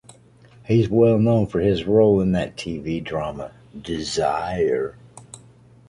He is well-known for his role in the TV drama “Desire”.